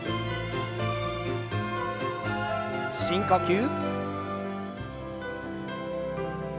深呼吸。